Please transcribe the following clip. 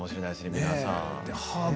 皆さん。